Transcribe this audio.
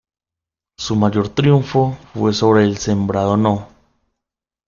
Su mayor triunfo fue sobre el sembrado No.